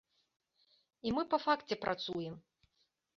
І мы па факце працуем.